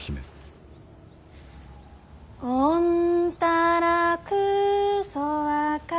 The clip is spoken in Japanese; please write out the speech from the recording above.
おんたらくそわか。